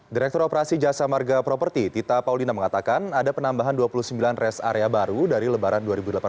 direktur operasi jasa marga properti tita paulina mengatakan ada penambahan dua puluh sembilan rest area baru dari lebaran dua ribu delapan belas